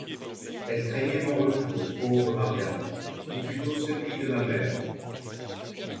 Elle craignait mon retour, pauvre Marianne, ou plutôt celui de ma mère.